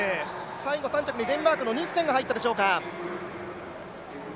最後３着にデンマークのニッセンが入ったでしょうか。